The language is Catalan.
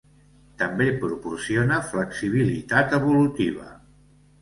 També proporciona flexibilitat evolutiva.